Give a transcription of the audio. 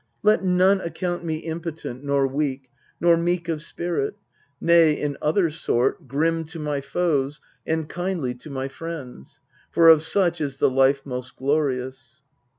Let none account me impotent, nor weak, Nor meek of spirit ! Nay, in other sort, Grim to my foes, and kindly to my friends, For of such is the life most glorious.